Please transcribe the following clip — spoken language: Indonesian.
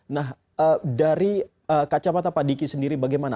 nah dari kacamata pak diki sendiri bagaimana